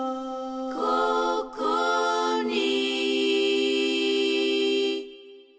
「ここに」